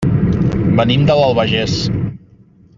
Venim de l'Albagés.